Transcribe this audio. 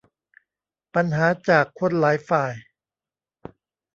ปัญหาจากคนหลายฝ่าย